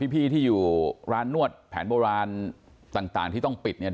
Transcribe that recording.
พี่ที่อยู่ร้านนวดแผนโบราณต่างที่ต้องปิดเนี่ย